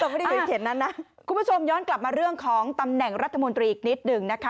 คุณผู้ชมย้อนกลับมาเรื่องของตำแหน่งรัฐมนตรีอีกนิดหนึ่งนะคะ